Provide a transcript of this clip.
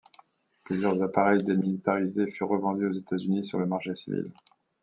Plusieurs appareils démilitarisés furent revendus aux États-Unis sur le marché civil.